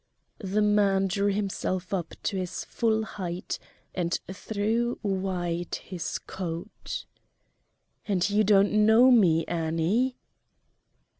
The man drew himself up to his full height and threw wide his coat: "And you don't know me, Annie?"